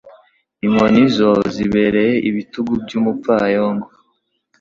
inkoni zo zibereye ibitugu by’umupfayongo